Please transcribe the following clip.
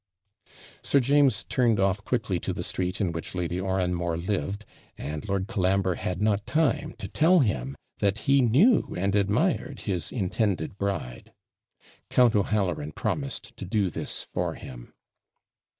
Sir James turned off quickly to the street in which Lady Oranmore lived, and Lord Colambre had not time to tell him that he knew and admired his intended bride. Count O'Halloran promised to do this for him.